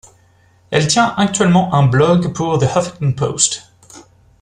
Elle tient actuellement un blogue pour The Huffington Post.